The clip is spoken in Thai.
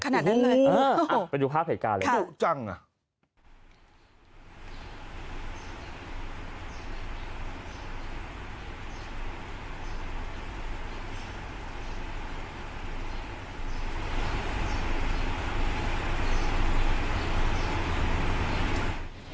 ขนาดนั้นเลยเออไปดูภาพเหตุการณ์เลยดุจังอ่ะ